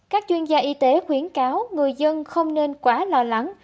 các chuyên gia y tế khuyến cáo người dân không nên quá lo lắng